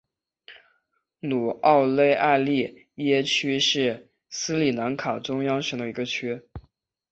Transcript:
努沃勒埃利耶区是斯里兰卡中央省的一个区。